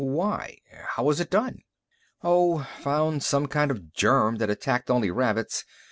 "Why? How was it done?" "Oh, found some kind of germ that attacked only rabbits.